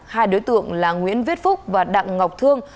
hai đối tượng là nguyễn viết phúc và đặng ngọc thương